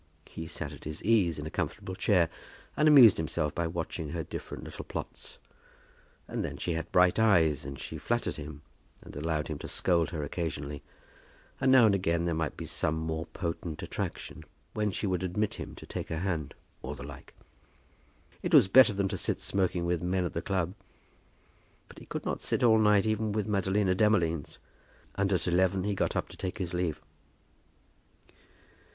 He sat at his ease in a comfortable chair, and amused himself by watching her different little plots. And then she had bright eyes, and she flattered him, and allowed him to scold her occasionally. And now and again there might be some more potent attraction, when she would admit him to take her hand, or the like. It was better than to sit smoking with men at the club. But he could not sit all night even with Madalina Demolines, and at eleven he got up to take his leave.